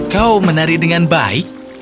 kau menari dengan baik